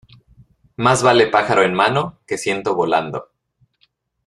Más vale pájaro en mano, que ciento volando.